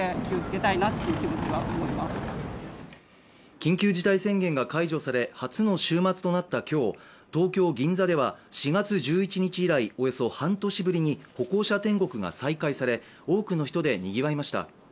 緊急事態宣言が解除され、初の週末となった今日、東京・銀座では４月１１日以来およそ半年ぶりに歩行者天国が再開され、多くの人でにぎわいました。